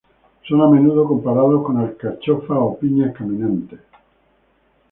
Son a menudo comparados con alcachofas o piñas caminantes.